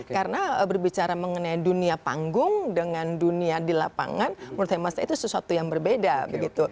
karena berbicara mengenai dunia panggung dengan dunia di lapangan menurut saya itu sesuatu yang berbeda begitu